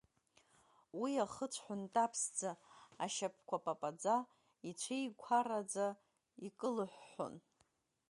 Уи ахы цәҳәынтаԥсӡа, ашьапқәа папаӡа, ицәеиқәараӡа икылыҳәҳәон.